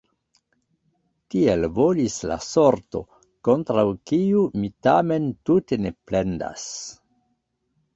Tiel volis la sorto, kontraŭ kiu mi tamen tute ne plendas.